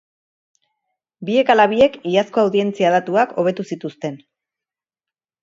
Biek ala biek iazko audientzia datuak hobetu zituzten.